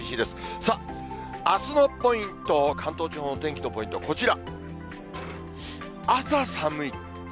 さあ、あすのポイント、関東地方のお天気のポイント、こちら。